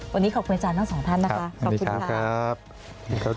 วันนี้ขอบคุณอาจารย์ทั้งสองท่านนะคะขอบคุณค่ะ